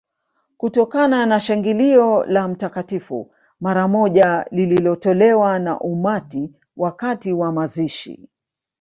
Kutokana na shangilio la Mtakatifu mara moja lililotolewa na umati wakati wa mazishi